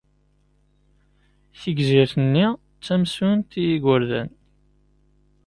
Tigzirt-nni d tamsunt i yigerdan.